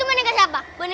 oh ini kesian buat kita